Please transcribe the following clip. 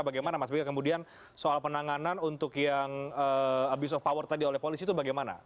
bagaimana mas bega kemudian soal penanganan untuk yang abuse of power tadi oleh polisi itu bagaimana